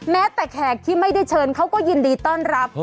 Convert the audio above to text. แม้แต่แขกที่ไม่ได้เชิญเขาก็ยินดีต้อนรับ